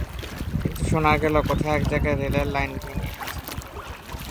কিন্তু শোনা গেল, কোথায় এক জায়গায় রেলের লাইন গেছে ভেঙে।